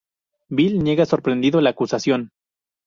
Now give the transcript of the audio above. Bill niega sorprendido la acusación.